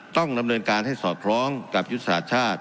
ต้องดำเนินการให้สอดคล้องกับยุทธศาสตร์ชาติ